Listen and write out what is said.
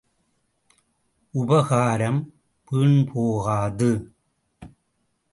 உபகாரம் வீண் போகாது.